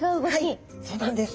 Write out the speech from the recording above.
はいそうなんです。